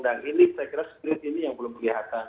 jadi saya kira skrip ini yang belum kelihatan